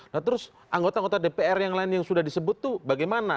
nah terus anggota anggota dpr yang lain yang sudah disebut tuh bagaimana